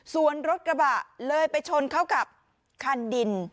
ส่วนรถกระบะเลยไปชนเข้ากับคันดิน